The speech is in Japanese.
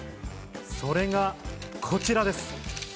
それがこちらです。